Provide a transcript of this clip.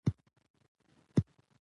د آمو سیند مخکې د آکوسس په نوم یادیده.